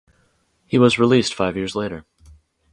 He was released five years later.